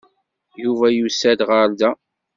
Yuba yusa-d ɣer da.